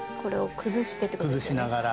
崩しながら。